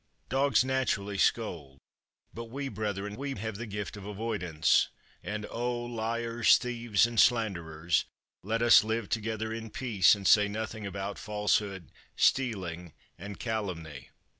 Dogs naturally scold, but we, brethren, we have the gift of avoidance, and, O liars, thieves, and slanderers, let us live together in peace, and say nothing about falsehood, stealing, and calumny."